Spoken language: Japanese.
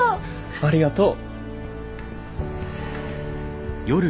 ありがとう！